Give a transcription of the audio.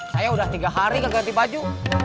saya udah tiga hari gak ganti baju